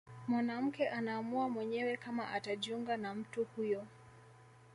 Mwanamke anaamua mwenyewe kama atajiunga na mtu huyo